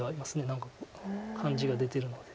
何か感じが出てるので。